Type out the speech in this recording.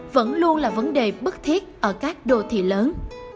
vẫn luôn là vấn đề bức thiết ở các đô thị lớn